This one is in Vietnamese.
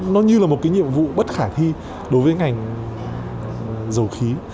nó như là một cái nhiệm vụ bất khả thi đối với ngành dầu khí